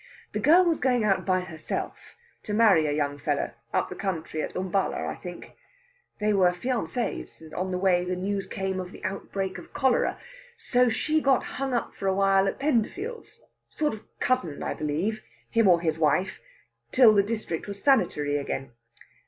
"The girl was going out by herself to marry a young fellow up the country at Umballa, I think. They were fiancés, and on the way the news came of the outbreak of cholera. So she got hung up for a while at Penderfield's sort of cousin, I believe, him or his wife till the district was sanitary again.